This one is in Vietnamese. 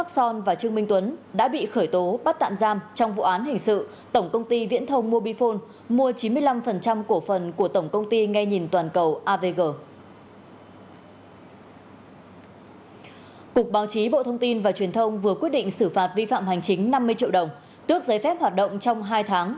xin chào quý vị và các bạn